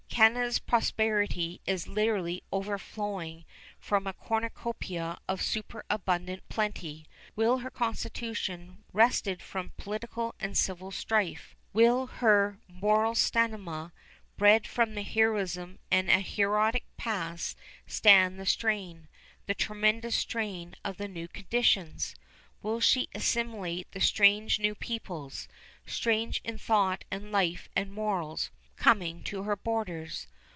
Canada's prosperity is literally overflowing from a cornucopia of super abundant plenty. Will her constitution, wrested from political and civil strife; will her moral stamina, bred from the heroism of an heroic past, stand the strain, the tremendous strain of the new conditions? Will she assimilate the strange new peoples strange in thought and life and morals coming to her borders?